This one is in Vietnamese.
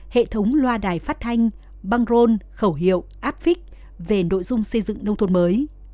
hệ thống loa đài phát thanh băng rôn khẩu hiệu apfix về nội dung xây dựng nông thôn mới